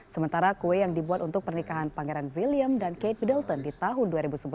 sementara kue yang dibuat untuk pernikahan pangeran william dan kate middleton di tahun dua ribu sebelas